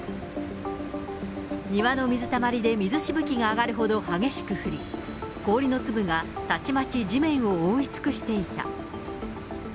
庭の水たまりで水しぶきが上がるほど激しく降り、氷の粒がたちまち地面を覆い尽くしていた。